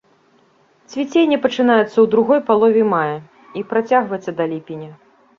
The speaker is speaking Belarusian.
Цвіценне пачынаецца ў другой палове мая і працягваецца да ліпеня.